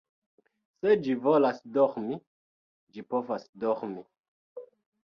Se ĝi volas dormi, ĝi povas dormi